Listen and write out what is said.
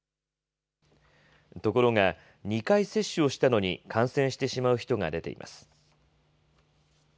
ところが、２回接種をしたのに感染してしまう人が出ています。